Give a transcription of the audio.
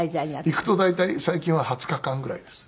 行くと大体最近は２０日間ぐらいです。